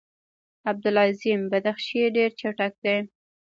عبدالعظیم بدخشي ډېر چټک دی.